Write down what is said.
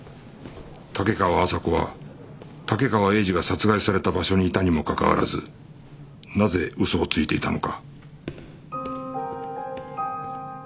竹川麻子は竹川栄二が殺害された場所にいたにもかかわらずなぜ嘘をついていたのか